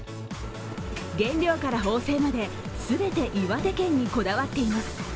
原料から縫製まで全て岩手県にこだわっています。